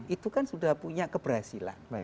itu kan sudah punya keberhasilan